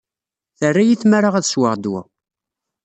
Terra-yi tmara ad sweɣ ddwa.